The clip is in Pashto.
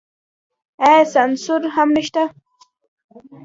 آیا سانسور هم نشته؟